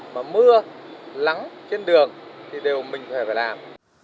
mà mưa lắng trên đường thì đều mình phải làm